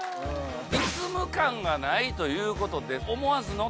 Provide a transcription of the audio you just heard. リズム感がないということで思わずノ